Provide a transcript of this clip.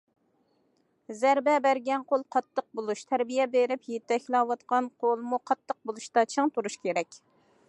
زەربە بەرگەن قول قاتتىق بولۇش، تەربىيە بېرىپ يېتەكلەۋاتقان قولمۇ قاتتىق بولۇشتا چىڭ تۇرۇش كېرەك.